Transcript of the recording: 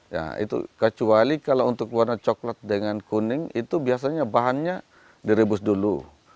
ya itu kecuali kalau untuk warna coklat dengan kuning itu biasanya bahannya direbus dulu